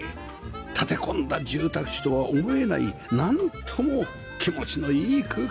立て込んだ住宅地とは思えないなんとも気持ちのいい空間です